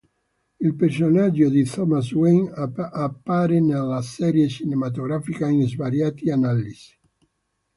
Il personaggio di Thomas Wayne appare nella serie cinematografica in svariati analessi.